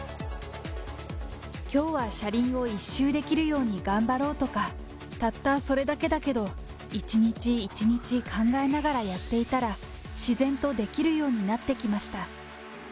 きょうは車輪を１周できるように頑張ろうとか、たったそれだけだけど、一日一日考えながらやっていたら、自然とできるようになってきました。